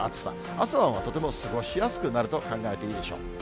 あすはとても過ごしやすくなると考えていいでしょう。